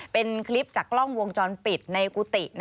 เป็นคลิปจากกล้องวงจรปิดในกุฏิ